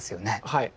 はい。